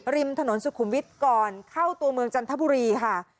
ริมถนนสุขุมวิทย์ก่อนเข้าตัวเมืองจันทบุรีค่ะ